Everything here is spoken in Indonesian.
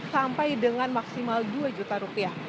sampai dengan maksimal dua juta rupiah